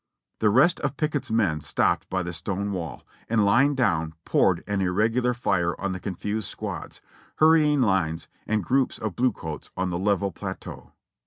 The rest of Pickett's men stopped at the stone wall, and lying down, poured an irregular fire on the confused squads, hurrying lines, and groups of blue coats on the level plateau.